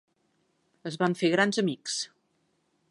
Es van fer grans amics.